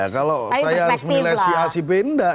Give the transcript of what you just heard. kalau saya harus menilai si asip enggak